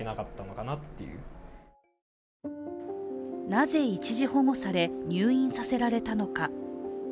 なぜ一時保護され、入院させられたのか。